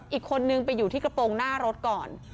อีกคนนึงไปอยู่ที่กระโปรงหน้ารถก่อน